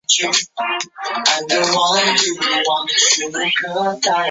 今存有康熙三年宛平于藻庐陵刻本。